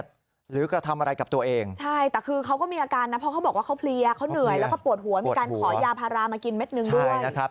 เขาเหนื่อยแล้วก็ปวดหัวมีการขอยาพารามากินเม็ดหนึ่งด้วย